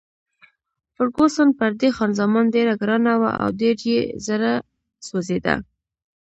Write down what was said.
فرګوسن پر دې خان زمان ډېره ګرانه وه او ډېر یې زړه سوځېده.